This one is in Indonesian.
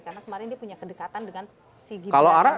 karena kemarin dia punya kedekatan dengan si gibril